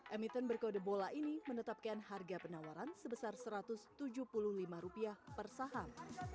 emiten berkode bola ini menetapkan harga penawaran sebesar rp satu ratus tujuh puluh lima per saham